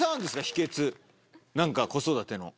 何か子育ての。